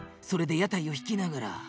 それで屋台を引きながら。